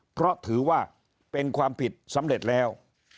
เพราะถือว่าเป็นความผิดสำเร็จแล้ว